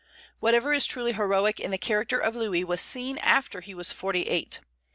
Whatever is truly heroic in the character of Louis was seen after he was forty eight.